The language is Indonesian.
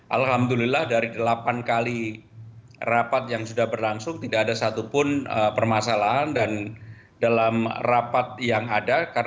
alhamdulillah dari delapan kali rapat yang sudah berlangsung tidak ada satupun permasalahan dan dalam rapat yang ada